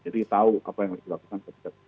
jadi tahu apa yang harus dilakukan